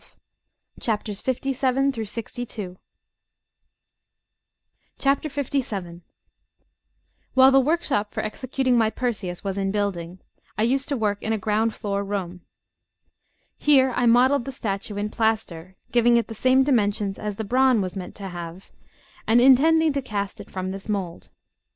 LVII WHILE the workshop for executing my Perseus was in building, I used to work in a ground floor room. Here I modelled the statue in plaster, giving it the same dimensions as the bronze was meanst to have, and intending to cast it from this mould.